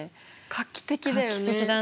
画期的だね。